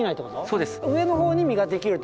そうです。